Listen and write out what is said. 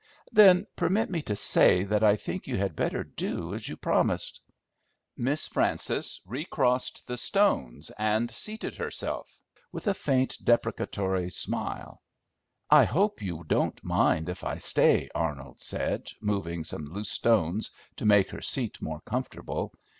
"Then permit me to say that I think you had better do as you promised." Miss Frances recrossed the stones, and seated herself, with a faint deprecatory smile. "I hope you don't mind if I stay," Arnold said, moving some loose stones to make her seat more comfortable.